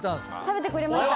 食べてくれました！